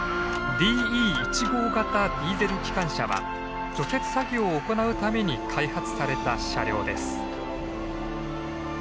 ディーゼル機関車は除雪作業を行うために開発された車両です。